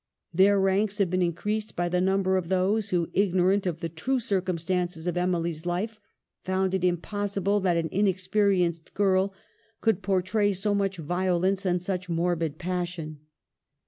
Their ranks have been increased by the number of those who, ignorant of the true cir cumstances of Emily's life, found it impossible that an inexperienced girl could portray so much violence and such morbid passion.